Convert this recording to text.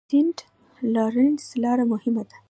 سینټ لارنس لاره مهمه ده.